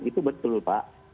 itu betul pak